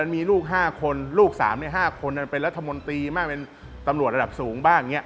มีลูก๕คนลูก๓๕คนเป็นรัฐมนตรีบ้างเป็นตำรวจระดับสูงบ้างอย่างนี้